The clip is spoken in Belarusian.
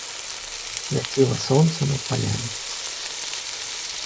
Свяціла сонца над палямі.